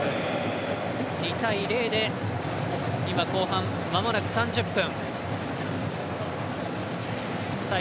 ２対０で今、後半まもなく３０分。